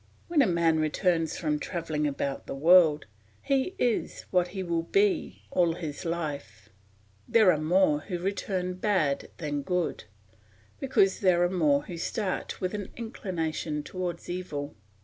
When a man returns from travelling about the world, he is what he will be all his life; there are more who return bad than good, because there are more who start with an inclination towards evil.